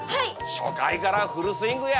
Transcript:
初回からフルスイングや。